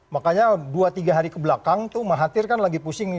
makanya dua tiga hari kebelakang tuh mahathir kan lagi pusing nih